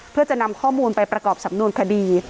เพื่อจะนำข้อมูลไปประกอบสำนวนคดี